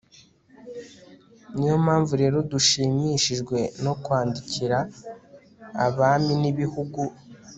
ni yo mpamvu rero dushimishijwe no kwandikira abami n'ibihugu